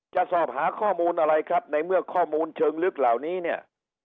สอบหาข้อมูลอะไรครับในเมื่อข้อมูลเชิงลึกเหล่านี้เนี่ย